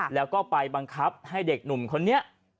แล้วก็ไปบังคับให้เด็กหนุ่มคนนี้